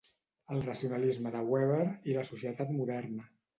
El racionalisme de Weber i la societat moderna.